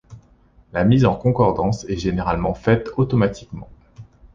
La mise en concordance est généralement faite automatiquement.